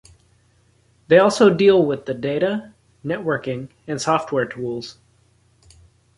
They also deal with the data, networking and software tools.